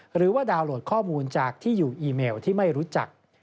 หรือว่าดาวน์โหลดข้อมูลจากที่อยู่อีเมลที่ไม่รู้จัก